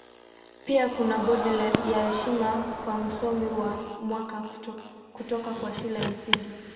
Pia kuna bodi ya heshima kwa Msomi wa Mwaka kutoka kwa Shule ya Msingi.